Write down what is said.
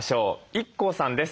ＩＫＫＯさんです。